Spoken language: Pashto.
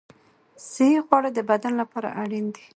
صحي خواړه د بدن لپاره اړین دي.